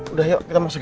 udah ayo kita masuk yuk